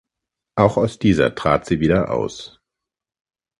Auch aus dieser trat sie wieder aus.